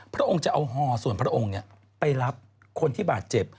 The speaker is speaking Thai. พระองค์จะเอาฮอส่วนพระองค์ไปรับคนที่บาดเจ็บ